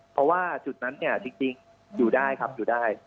เพราะว่าจุดนั้นเนี่ยจริงอยู่ได้ครับอยู่ได้